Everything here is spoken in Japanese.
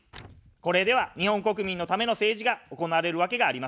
これでは日本国民のための政治が行われるわけがありません。